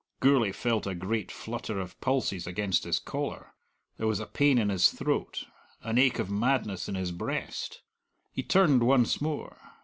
Gourlay felt a great flutter of pulses against his collar; there was a pain in his throat, an ache of madness in his breast. He turned once more.